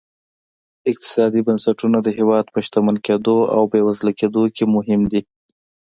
اقتصادي بنسټونه د هېواد په شتمن کېدو او بېوزله کېدو کې مهم دي.